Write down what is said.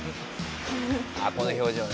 ああこの表情ね。